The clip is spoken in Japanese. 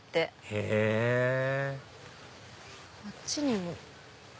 へぇあっちにも。